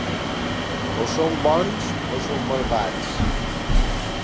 O són bons o són malvats.